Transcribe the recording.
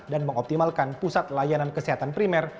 dan mengoptimalkan pusat layanan kesehatan primer